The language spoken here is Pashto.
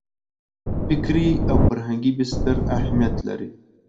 فکري او فرهنګي بستر اهمیت لري.